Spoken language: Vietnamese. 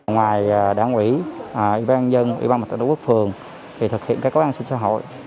ngoài đảng ủy ủy ban dân ủy ban mặt trận đối quốc phường thì thực hiện các cơ quan sinh xã hội